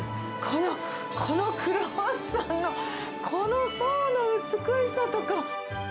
この、このクロワッサンのこの層の美しさとか。